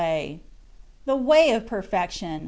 THE WAY OF PERFECTION.